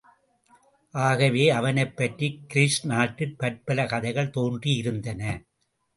ஆகவே, அவனைப்பற்றிக் கிரீஸ் நாட்டில் பற்பல, கதைகள் தோன்றியிருந்தன.